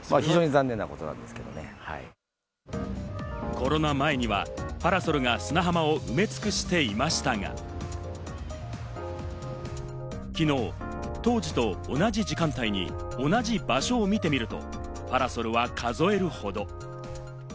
コロナ前にはパラソルが砂浜を埋め尽くしていましたが、きのう、当時と同じ時間帯に同じ場所を見てみると、パラソルは数えるほど。